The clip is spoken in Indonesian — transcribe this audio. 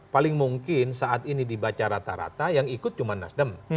paling mungkin saat ini dibaca rata rata yang ikut cuma nasdem